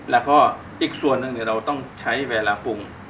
แล้วก็อีกส่วนหนึ่งเราต้องใช้เวลาปรุง